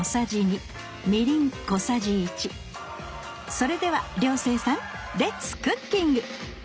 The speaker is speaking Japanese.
それでは涼星さんレッツクッキング！